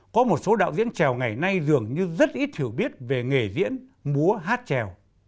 có một số đạo diễn trèo ngày nay dường như rất ít hiểu biết về nghề diễn múa hát trèo